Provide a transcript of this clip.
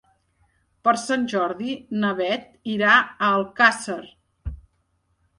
Per Sant Jordi na Beth irà a Alcàsser.